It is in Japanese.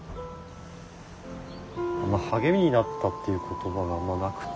励みになったっていう言葉があんまなくて。